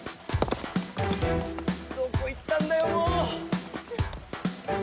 どこ行ったんだよもう！